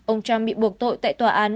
ông trump bị buộc tội tại tòa án